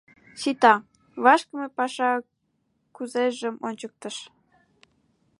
— Сита, вашкыме паша кузежым ончыктыш...